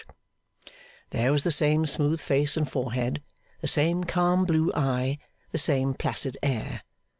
There was the same smooth face and forehead, the same calm blue eye, the same placid air.